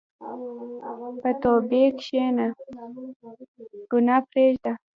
په توبې کښېنه، ګناه پرېږده.